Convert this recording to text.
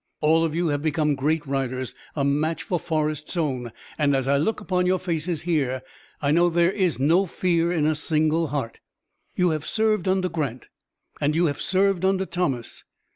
All of you have become great riders, a match for Forrest's own, and as I look upon your faces here I know that there is no fear in a single heart. You have served under Grant, and you have served under Thomas.